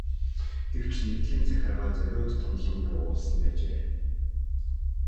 Гэвч нэгдлийн захиргаа зориуд томилон явуулсан байжээ.